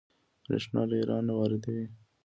بریښنا له ایران واردوي